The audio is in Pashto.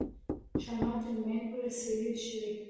ښامار تر نیمایي پورې څېرې شو.